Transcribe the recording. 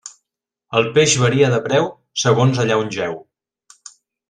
El peix varia de preu segons allà on jeu.